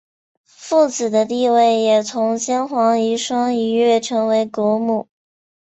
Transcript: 富子的地位也从先皇遗孀一跃成为国母。